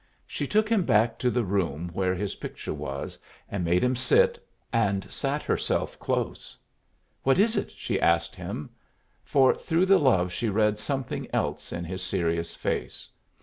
She took him back to the room where his picture was, and made him sit, and sat herself close. "What is it?" she asked him. For through the love she read something else in his serious face.